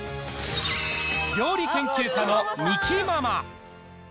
料理研究家のみきママ。